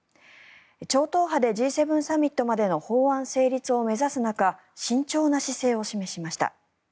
超党派でＧ７サミットまでの法案成立を目指す中慎重な姿勢を示しました。